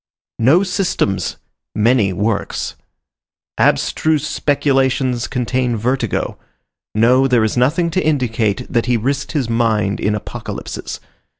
No systems; many works. Abstruse speculations contain vertigo; no, there is nothing to indicate that he risked his mind in apocalypses.